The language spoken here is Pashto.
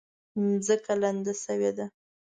ځمکه لمده شوې ده